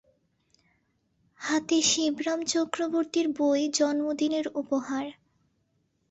হাতে শিবরাম চক্রবর্তীর বই জন্মদিনের উপহার।